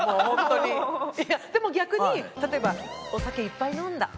でも逆に例えばお酒いっぱい飲んだ。